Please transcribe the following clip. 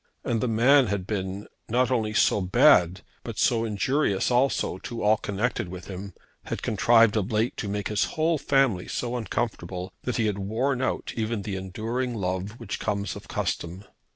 And the man had been, not only so bad but so injurious also, to all connected with him, had contrived of late to make his whole family so uncomfortable, that he had worn out even that enduring love which comes of custom.